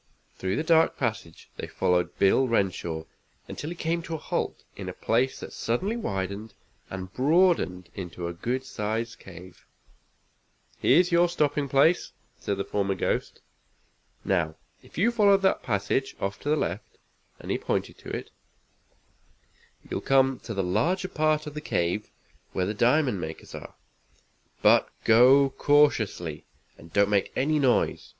Through the dark passage they followed Bill Renshaw until he came to a halt in a place that suddenly widened and broadened into a good sized cave. "Here's your stopping place," said the former ghost. "Now if you follow that passage, off to the left," and he pointed to it, "you'll come to the larger part of the cave where the diamond makers are. But go cautiously, and don't make any noise.